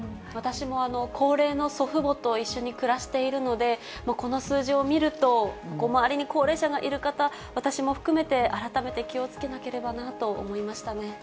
私も高齢の祖父母と一緒に暮らしているので、この数字を見ると、周りに高齢者がいる方、私も含めて、改めて気をつけなければなと思いましたね。